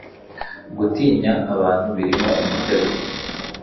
Gutinya abantu birimo umutego